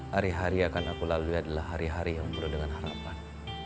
hari hari yang akan aku lalui adalah hari hari yang penuh dengan harapan